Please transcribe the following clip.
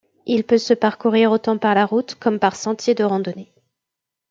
Il peut se parcourir autant par la route comme par sentiers de randonnée.